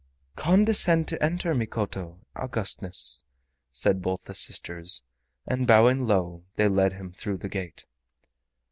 "Condescend to enter, Mikoto (Augustness)," said both the sisters, and bowing low, they led him through the gate.